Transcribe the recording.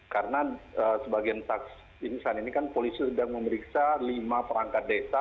karena sebagian taks ini saat ini kan polisi sedang memeriksa lima perangkat desa